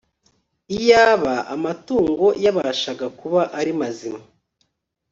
Iyaba amatungo yabashaga kuba ari mazima